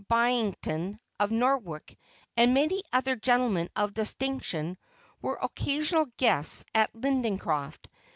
Byington, of Norwalk, and many other gentlemen of distinction were occasional guests at Lindencroft.